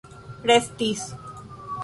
restis